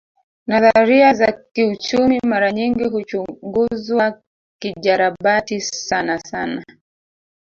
Nadharia za kiuchumi mara nyingi huchunguzwa kijarabati sanasana